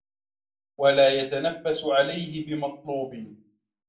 وَلَا يَتَنَفَّسُ عَلَيْهِ بِمَطْلُوبٍ